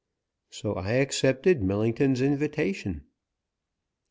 So I accepted Millington's invitation.